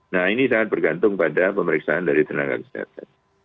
nah ini sangat bergantung pada pemeriksaan dari tenaga kesehatan